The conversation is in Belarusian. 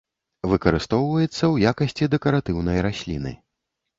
Выкарыстоўваецца ў якасці дэкаратыўнай расліны.